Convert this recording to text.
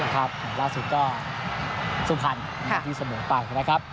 ครับล่าสุดก็สุดพันธ์ที่สมุนไปนะครับ